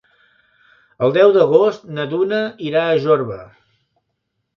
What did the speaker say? El deu d'agost na Duna irà a Jorba.